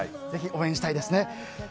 ぜひ、応援したいですね。